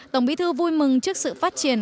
tổng bí thư vui mừng trước sự phát triển